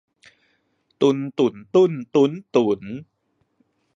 ตุน ตุ่น ตุ้น ตุ๊น ตุ๋น